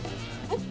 えっ？